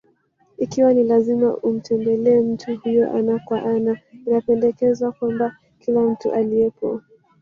Ikiwa ni lazima umtembelee mtu huyo ana kwa ana, inapendekezwa kwamba kila mtu aliyepo: